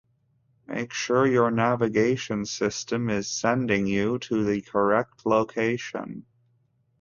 Make sure your navigation system is sending you to the correct location.